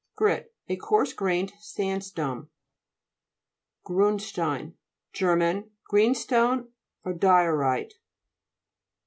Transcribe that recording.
GRIT A coarse grained sandstone. GRUNDSTEIN Ger. Greenstone or diorite.